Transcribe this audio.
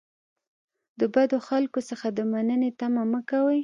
د بدو خلکو څخه د مننې تمه مه کوئ.